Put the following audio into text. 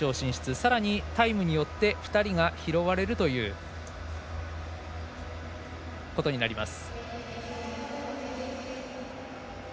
さらに、タイムによって２人が拾われるということになります。